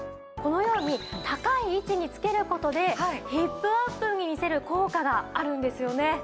このように高い位置に付ける事でヒップアップに見せる効果があるんですよね。